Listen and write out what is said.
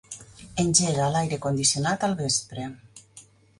Engega l'aire condicionat al vespre.